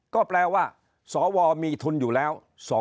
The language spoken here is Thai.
ก็แปลว่าสวมีทุนอยู่แล้ว